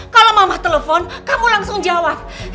kalau mama telepon kamu langsung jawab